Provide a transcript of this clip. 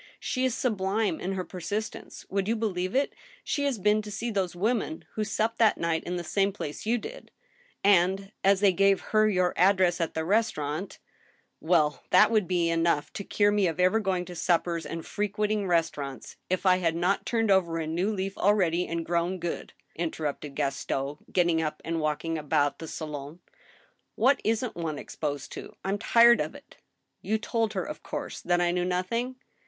She is sublime in her persistence. Would you believe it ? ^e has been to see those women who supped that night in the same place AN ILL UMINA TION. 155 you did, ... and, as they gave her your address at the restau rant—" '•Well ! that would be enough to cure me of ever going to sup pers and frequenting restaurants if I had not turned over a new leaf already and grown good !" interrupted Gaston, getting up and walk ing about iki^ salon, "What isn't one exposed to! I'm tired of it. ... You told her, of course, that I knew nothing?